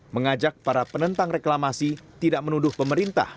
mengajak para penentang reklamasi tidak menuduh pemerintah